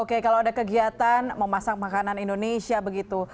oke kalau ada kegiatan memasak makanan indonesia begitu